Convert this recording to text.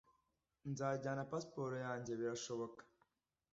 Nzajyana pasiporo yanjye, birashoboka.